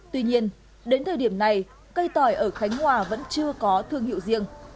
tuy nhiên đến thời điểm này cây tỏi ở khánh hòa vẫn chưa có thương hiệu riêng